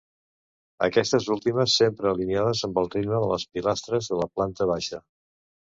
Aquestes últimes sempre alineades amb el ritme de les pilastres de la planta baixa.